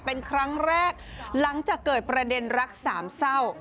เป็นครั้งแรกหลังจากเกิดประเด็นรักสามเศร้า